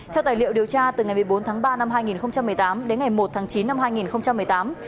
theo tài liệu điều tra từ ngày một mươi bốn tháng ba năm hai nghìn một mươi tám đến ngày một tháng chín năm hai nghìn một mươi tám